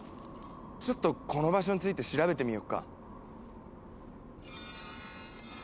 ちょっとこの場所について調べてみようか。